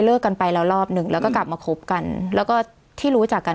กันไปแล้วรอบหนึ่งแล้วก็กลับมาคบกันแล้วก็ที่รู้จักกัน